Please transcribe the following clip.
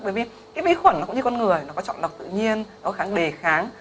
bởi vì cái vi khuẩn nó cũng như con người nó có trọng lọc tự nhiên nó kháng đề kháng